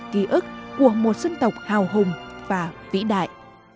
ký ức của một dân tộc hào hùng và vĩ đại